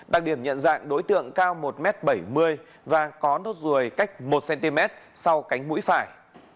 đặc điểm nhận dạng đối tượng cao một m bảy mươi và có nốt ruồi cách một cm sau cánh mũi phải